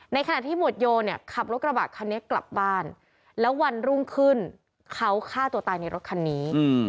ขณะที่หมวดโยเนี่ยขับรถกระบะคันนี้กลับบ้านแล้ววันรุ่งขึ้นเขาฆ่าตัวตายในรถคันนี้